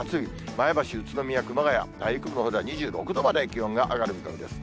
前橋、宇都宮、熊谷、内陸部のほうでは２６度まで気温が上がる見込みです。